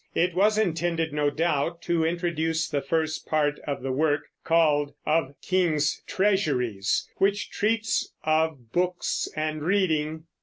It was intended, no doubt, to introduce the first part of the work, called "Of Kings' Treasuries," which treats of books and reading.